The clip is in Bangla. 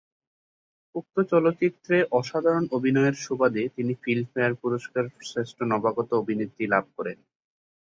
উক্ত চলচ্চিত্রে অসাধারণ অভিনয়ের সুবাদে তিনি ফিল্মফেয়ার পুরস্কার শ্রেষ্ঠ নবাগত অভিনেত্রী লাভ করেন।